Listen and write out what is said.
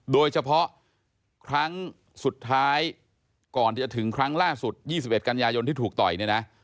โดยเฉพาะครั้งสุดท้ายก่อนที่จะถึงครั้งล่าสุด๒๑กันยายนที่ถูกต่อยเนี่ยนะ